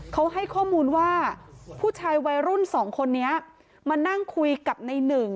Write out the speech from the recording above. เขาให้ข้อมูลว่าผู้ชายวัยรุ่นสองคนนี้มานั่งคุยกับในหนึ่ง